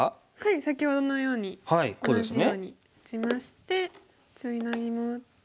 先ほどのように同じように打ちましてツナギも打って。